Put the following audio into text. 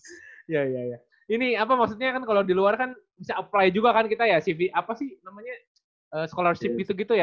iya iya ini apa maksudnya kan kalau di luar kan bisa apply juga kan kita ya cv apa sih namanya scholarship gitu gitu ya